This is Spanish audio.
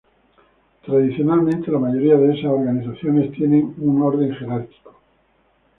Tradicionalmente la mayoría de esas organizaciones tienen un orden jerárquico.